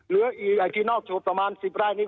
เหลืออีกอันที่นอกจุดประมาณ๑๐ไร่นี้